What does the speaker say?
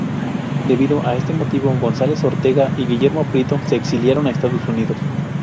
Debido a este motivo, González Ortega y Guillermo Prieto se exiliaron a Estados Unidos.